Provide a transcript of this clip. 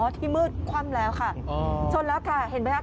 ที่มืดคว่ำแล้วค่ะชนแล้วค่ะเห็นไหมคะ